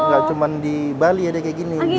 ini nggak cuman di bali ya deh kayak gini